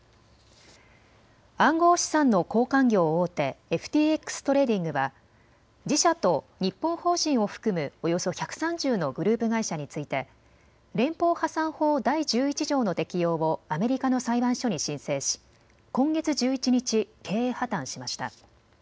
暗号資産の交換業大手、ＦＴＸトレーディングは自社と日本法人を含むおよそ１３０のグループ会社について連邦破産法第１１条の適用をアメリカの裁判所に申請し今月１１日、経営破綻しました。